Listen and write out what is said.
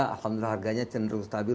alhamdulillah harganya cenderung stabil